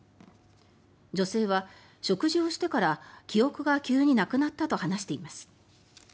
女性は食事をしてから記憶が急になくなったと話しています。